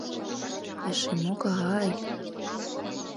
— Эше могай...